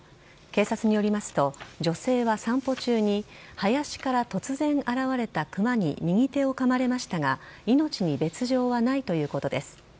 警察によりますと女性は散歩中に林から突然現れたクマに右手をかまれましたが命に別条はないということです。